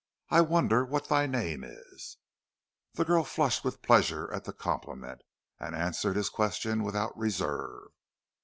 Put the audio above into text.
I wonder what thy name is?" The girl flushed with pleasure at the compliment, and answered his question without reserve.